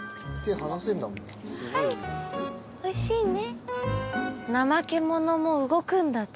はいおいしいね。